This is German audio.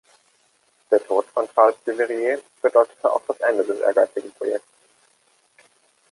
Der Tod von Charles Duveyrier bedeutete auch das Ende des ehrgeizigen Projekts.